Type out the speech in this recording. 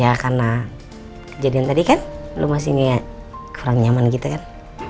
ya karena kejadian tadi kan lu masih kurang nyaman gitu kan